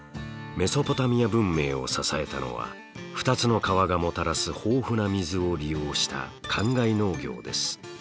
メソポタミア文明を支えたのは２つの川がもたらす豊富な水を利用した灌漑農業です。